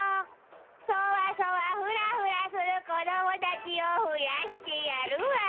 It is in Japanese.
そわそわフラフラするこどもたちをふやしてやるわ！